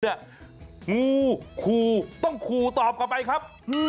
นี่เนี่ยงูคู่ต้องคู่ตอบกลับไปครับ